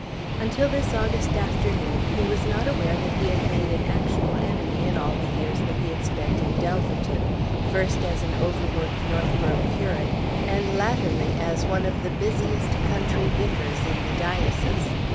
Until this August afternoon he was not aware that he had made an actual enemy in all the years that he had spent in Delverton, first as an overworked Northborough curate, and latterly as one of the busiest country vicars in the diocese.